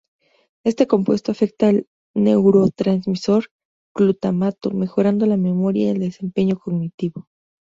Este compuesto afecta al neurotransmisor glutamato, mejorando la memoria y el desempeño cognitivo.